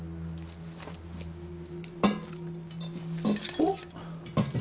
おっ！